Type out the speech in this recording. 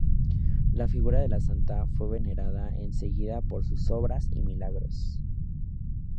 La figura de la santa fue venerada en seguida por su obras y milagros.